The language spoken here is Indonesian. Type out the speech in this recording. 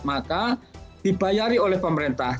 maka dibayari oleh pemerintah